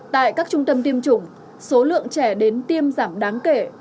tại các trung tâm tiêm chủng số lượng trẻ đến tiêm giảm đáng kể